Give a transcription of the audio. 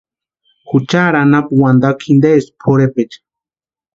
Juchari anapu wantakwa jintesti pʼorhepecha.